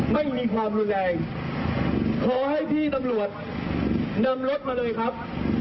ไม่มีความรุนแรงขอให้พี่ตำรวจนำรถมาเลยครับ